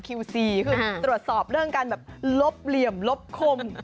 ซีคือตรวจสอบเรื่องการแบบลบเหลี่ยมลบคม